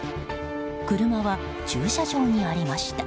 車は駐車場にありました。